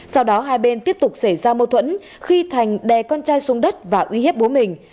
sau đó hai bên tiếp tục xảy ra mâu thuẫn khi thành đè con trai xuống đất và uy hiếp bố mình